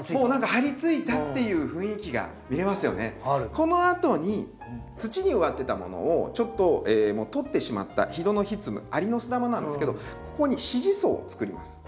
このあとに土に植わってたものをちょっと取ってしまったヒドノフィツムアリノスダマなんですけどここに支持層をつくります。